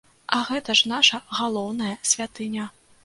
А гэта ж наша галоўнае святыня!